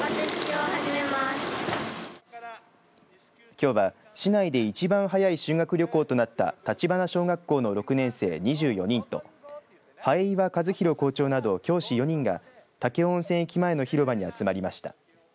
きょうは市内で一番早い修学旅行となった橘小学校の６年生２４人と榮岩和浩校長など教師４人が武雄温泉駅前の広場に集まりました。